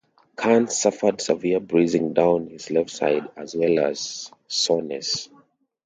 Kearns suffered severe bruising down his left side as well as soreness.